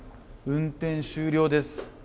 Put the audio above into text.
運転終了です。